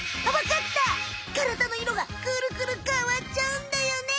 からだの色がクルクル変わっちゃうんだよね！